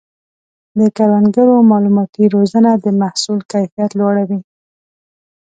د کروندګرو مالوماتي روزنه د محصول کیفیت لوړوي.